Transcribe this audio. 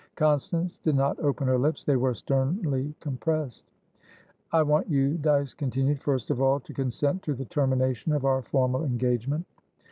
Constance did not open her lips; they were sternly compressed. "I want you," Dyce continued, "first of all to consent to the termination of our formal engagement.